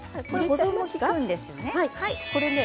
保存も利くんですよね。